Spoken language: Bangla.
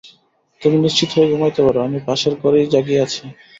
তুমি নিশ্চিন্ত হইয়া ঘুমাইতে পার, আমি পাশের ঘরেই জাগিয়া আছি।